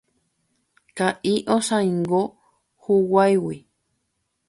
Ka'i osãingo huguáigui.